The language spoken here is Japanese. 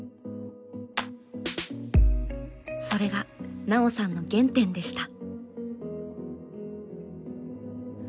それが奈緒さんの原点でした。